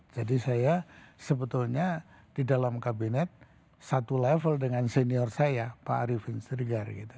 jadi saya sebetulnya di dalam kabinet satu level dengan senior saya pak ariefin serigari